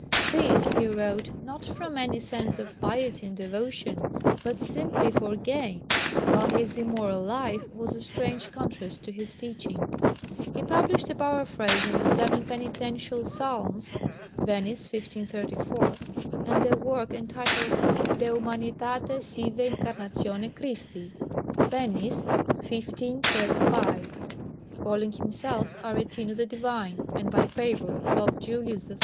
These he wrote, not from any sense of piety and devotion, but simply for gain, while his immoral life was a strange contrast to his teaching. He published a Paraphrase on the seven Penitential Psalms (Venice, 1534), and a work entitled De humanitate sive incarnatione Christi (Venice, 1535), calling himself Aretino the divine, and by favour of Pope Julius III.